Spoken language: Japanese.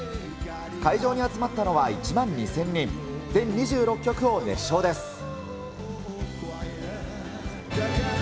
会場に集まったのは１万２０００人、全２６曲を熱唱です。